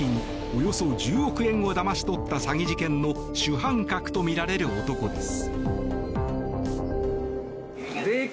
およそ１０億円をだまし取った詐欺事件の主犯格とみられる男です。